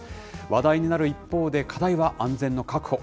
話題になる一方で、課題は安全の確保。